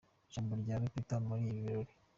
Ijambo rya Rupita muri ibi birori :.